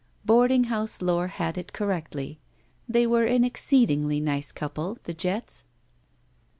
Boarding house lore had it correctly. They were an exceedingly nice couple, the Jetts.